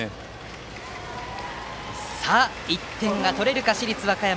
さあ、１点が取れるか市立和歌山。